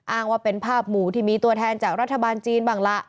อ้างว่าเป็นภาพหมู่ที่มีตัวแทนจากรัฐบาลจีนบ้างล่ะ